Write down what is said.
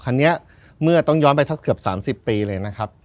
คันนี้เมื่อต้องย้อนไปสักเกือบ๓๐ปีเลยนะครับ